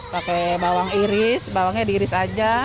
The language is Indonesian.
pakai bawang iris bawangnya diiris aja